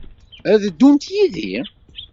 Ad d-ddun yid-i?